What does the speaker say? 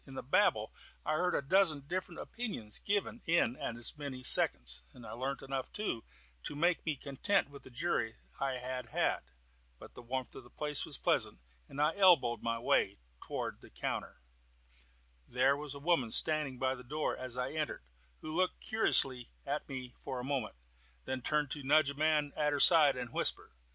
In the babel I heard a dozen different opinions given in as many seconds, and learnt enough, too, to make me content with the jury I had had. But the warmth of the place was pleasant, and I elbowed my way forward to the counter. There was a woman standing by the door as I entered, who looked curiously at me for a moment, then turned to nudge a man at her side, and whisper.